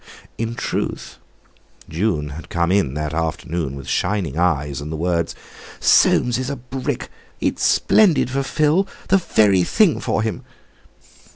In truth, June had come in that afternoon with shining eyes, and the words: "Soames is a brick! It's splendid for Phil—the very thing for him!"